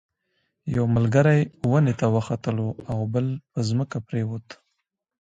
یو ملګری ونې ته وختلو او بل په ځمکه پریوت.